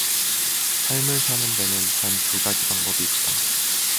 삶을 사는 데는 단 두가지 방법이 있다.